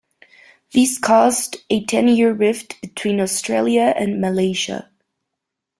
This caused a ten-year rift between Australia and Malaysia.